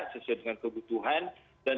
sesuai dengan kebutuhan dan